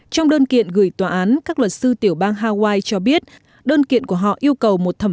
trong đơn kiện gửi tòa án các luật sư tiểu bang hawaii cho biết đơn kiện của họ yêu cầu một thẩm